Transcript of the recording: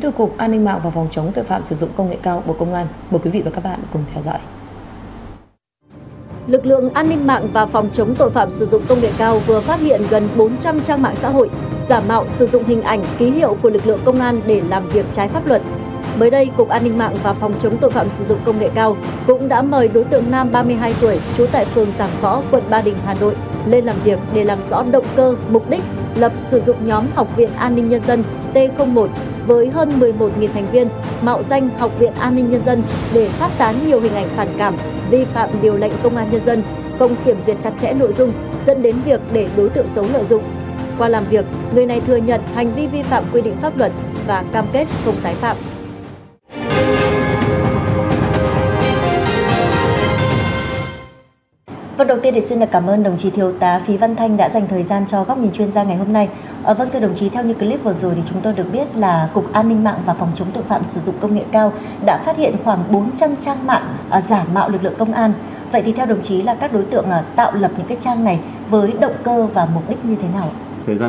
t một với hơn một mươi một thành viên mạo danh học viện an ninh nhân dân để phát tán nhiều hình ảnh phản cảm vi phạm điều lệnh công an nhân dân công kiểm duyệt chặt chẽ nội dung dẫn đến việc để đối tượng xấu lợi dụng